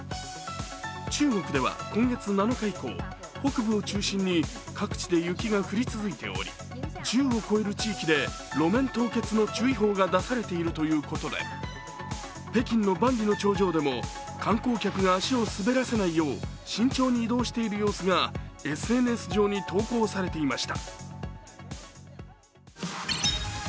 中国では今月７日以降、北部を中心に各地で雪が降り続いており、１０を超える地域で路面凍結の注意報が出されているということで北京の万里の長城でも観光客が足を滑らせないよう慎重に移動している様子がＳＮＳ上に投稿されていました。